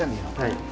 はい。